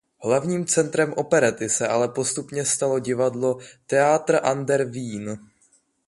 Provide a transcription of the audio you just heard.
Hlavním centrem operety se ale postupně stalo divadlo Theater an der Wien.